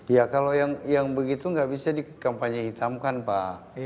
ya kalau yang begitu nggak bisa dikampanye hitamkan pak